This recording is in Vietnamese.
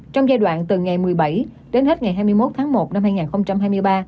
trong giai đoạn từ ngày một mươi bảy đến hết ngày hai mươi một tháng một năm hai nghìn hai mươi ba